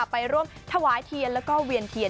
ไปร่วมถวายเถียนและเวียนเถียน